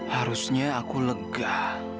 harusnya aku lega